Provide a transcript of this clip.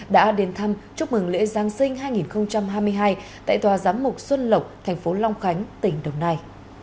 đã đến thăm chúc mừng lễ giáng sinh hai nghìn hai mươi hai tại tòa giám mục xuân lộc thành phố long khánh tỉnh đồng nai